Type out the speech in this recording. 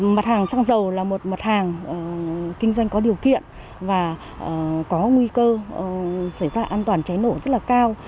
mặt hàng xăng dầu là một mặt hàng kinh doanh có điều kiện và có nguy cơ xảy ra an toàn cháy nổ rất là cao